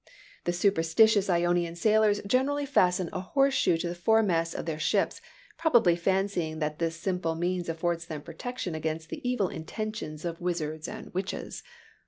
The superstitious Ionian sailors generally fasten a horseshoe to the foremasts of their ships, probably fancying that this simple means affords them protection against the evil intentions of wizards and witches.